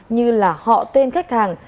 như là họ tên khách hàng